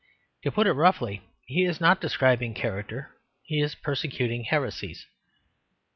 To put it more exactly, he is not describing characters; he is persecuting heresies.